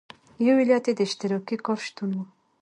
یو علت یې د اشتراکي کار شتون و.